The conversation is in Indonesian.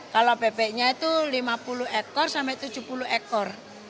kalau bebeknya itu lima puluh ekor sampai tujuh puluh ekor